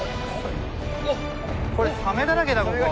うわ。サメだらけだここ。